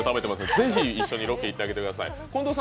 ぜひ一緒にロケ行ってあげてください。